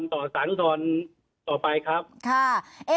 ให้จำนวนการอุทธรณ์ต่อสารอุทธรณ์ต่อไปครับ